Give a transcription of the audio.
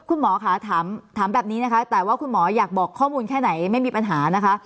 คุณหมอค่ะถามแบบนี้นะคะแต่ว่าคุณหมออยากบอกข้อมูลแค่ไหนไม่มีปัญหานะคะ